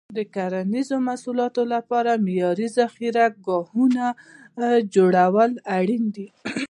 د کرنیزو محصولاتو لپاره معیاري ذخیره ګاهونه جوړول اړین دي.